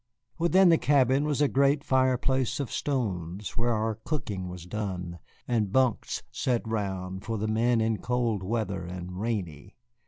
Within the cabin was a great fireplace of stones, where our cooking was done, and bunks set round for the men in cold weather and rainy.